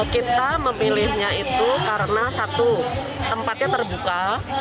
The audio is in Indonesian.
kita memilihnya itu karena satu tempatnya terbuka